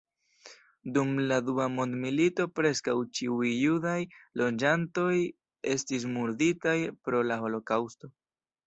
Dum la dua mondmilito preskaŭ ĉiuj judaj loĝantoj estis murditaj pro la holokaŭsto.